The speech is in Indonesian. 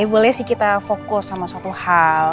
boleh sih kita fokus sama suatu hal